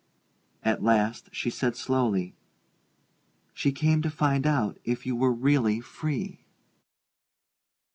At last she said slowly: "She came to find out if you were really free."